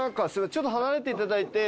ちょっと離れて頂いて。